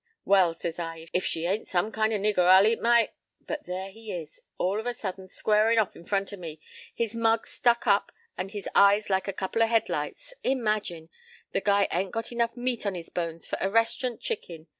p> "'Well,' says I, 'if she ain't some kind of nigger, I'll eat my—' "But there he is, all of a sudden, squarin' off in front o' me, his mug stuck up and his eyes like a couple o' headlights. Imagine! The guy ain't got enough meat on his bones for a rest'rant chicken.